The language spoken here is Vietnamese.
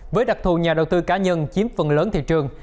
với đặc thù nhà đầu tư cá nhân chiếm phần lớn thị trường